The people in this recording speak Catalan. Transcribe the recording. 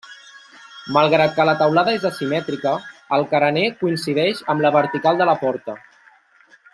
Malgrat que la teulada és asimètrica, el carener coincideix amb la vertical de la porta.